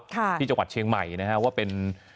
ที่จังหวัดเชียงใหม่นะฮะว่าเป็น